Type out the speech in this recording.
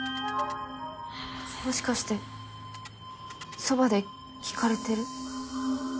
もしかしてそばで聞かれてる？